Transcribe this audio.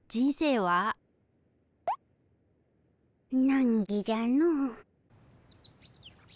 なんぎじゃの。